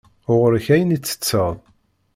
Ɣur-k ayen i ttetteḍ.